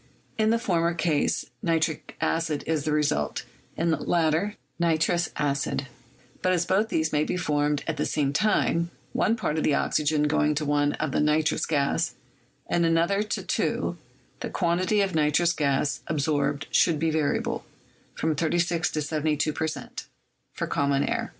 In the former case nitric acid is the result; in the latter nitrous acid: but as both these may be formed at the same time, one part of the oxygen going to one of nitrous gas, and another to two, the quantity of nitrous gas ab sorbed should be variable; from 36 to y2 per cent, for common air."